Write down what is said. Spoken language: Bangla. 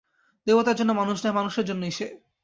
দেবতার জন্য মানুষ নহে, মানুষের জন্যই সে।